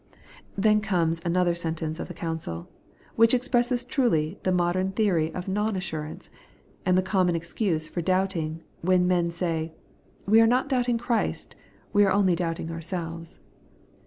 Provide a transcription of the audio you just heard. Then comes another sentence of the CouncU, which expresses truly the modem theory of non assurance, and the common excuse for doubting, when men say, 'We are not doubting Christ, we are only doubting ourselves.'